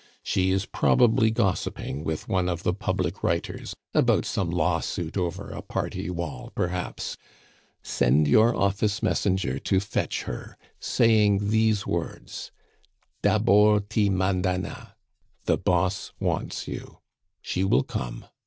She is probably gossiping with one of the public writers, about some lawsuit over a party wall perhaps; send your office messenger to fetch her, saying these words, 'Dabor ti Mandana' (the Boss wants you). She will come.